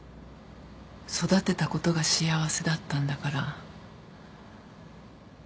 育てたことが幸せだったんだから。